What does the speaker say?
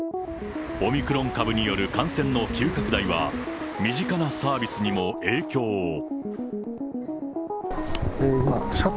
オミクロン株による感染の急拡大は身近なサービスにも影響を。